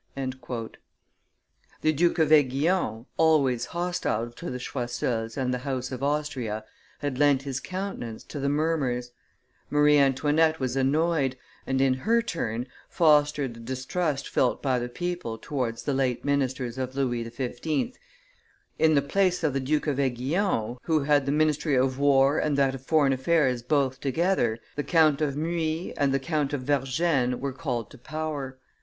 ... The Duke of Aiguillon, always hostile to the Choiseuls and the House of Austria, had lent his countenance to the murmurs; Marie Antoinette was annoyed, and, in her turn, fostered the distrust felt by the people towards the late ministers of Louis XV. In the place of the Duke of Aiguillon, who had the ministry of war and that of foreign affairs both together, the Count of Muy and the Count of Vergennes were called to power.